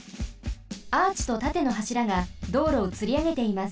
アーチとたてのはしらが道路をつりあげています。